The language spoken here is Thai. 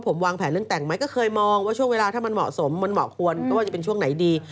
หลังจากศึกออกมาแล้วหลายคนก็รุ้นว่า